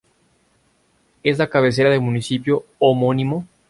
Es la cabecera del municipio homónimo.